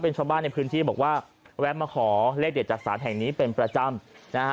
เป็นชาวบ้านในพื้นที่บอกว่าแวะมาขอเลขเด็ดจากศาลแห่งนี้เป็นประจำนะฮะ